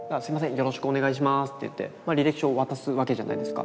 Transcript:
よろしくお願いします」って言って履歴書を渡すわけじゃないですか。